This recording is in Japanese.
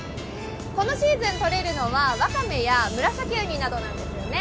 このシーズン、とれるのはわかめやムラサキウニなんですよね。